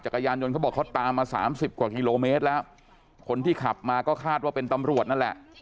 จักรยานยนต์เขาบอกเขาตามมาสามสิบกว่ากิโลเมตรแล้วคนที่ขับมาก็คาดว่าเป็นตำรวจนั่นแหละ